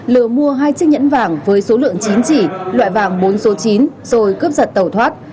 lừa mua hai chiếc nhẫn vàng với số lượng chín chỉ loại vàng bốn số chín rồi cướp giật tàu thoát